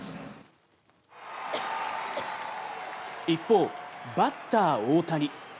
一方、バッター大谷。